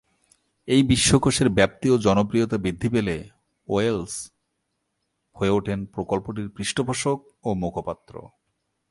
এই বিশ্বকোষের ব্যাপ্তি ও জনপ্রিয়তা বৃদ্ধি পেলে ওয়েলস হয়ে ওঠেন প্রকল্পটির পৃষ্ঠপোষক ও মুখপাত্র।